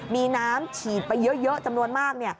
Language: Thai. มีน้ำฉีดไปเยอะจำนวนมาก